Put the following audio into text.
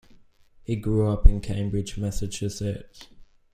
He grew up in Cambridge, Massachusetts.